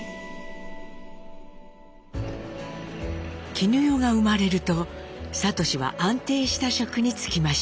絹代が生まれると智は安定した職に就きました。